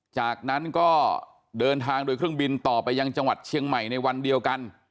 จากนั้นก็เดินทางโดยเครื่องบินต่อไปยังจังหวัดเชียงใหม่ในวันเดียวกัน